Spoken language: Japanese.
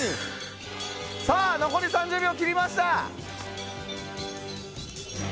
残り３０秒切りました。